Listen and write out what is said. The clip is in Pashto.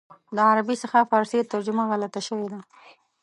د عربي څخه فارسي ترجمه غلطه شوې ده.